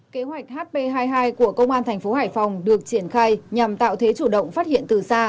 kế hoạch hp hai mươi hai của công an thành phố hải phòng được triển khai nhằm tạo thế chủ động phát hiện từ xa